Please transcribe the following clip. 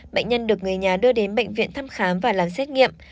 bệnh nhân được người nhà đưa đến bệnh viện thăm khám và làm xét nghiệm